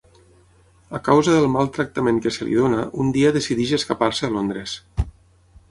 A causa del mal tractament que se li dóna, un dia decideix escapar-se a Londres.